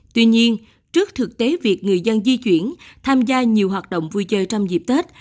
tuy nhiên trước thực tế việc người dân di chuyển tham gia nhiều hoạt động vui chơi trong dịp tết